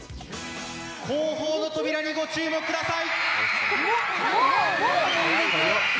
後方の扉にご注目ください。